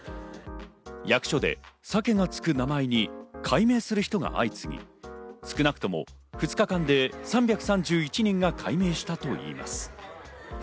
役所で鮭がつく名前に改名する人が相次ぎ、少なくとも２日間で３３１人が改名したといいます。